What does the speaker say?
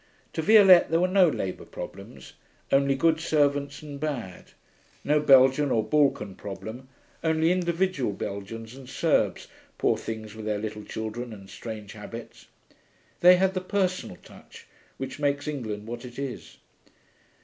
To Violette there were no labour problems, only good servants and bad, no Belgian or Balkan problem, only individual Belgians and Serbs (poor things, with their little children and strange habits). They had the personal touch, which makes England what it is.